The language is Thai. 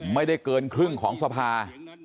ไม่ได้เกินครึ่งของสภา